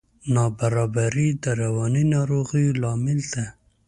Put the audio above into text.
نابرابري د رواني ناروغیو لامل ده.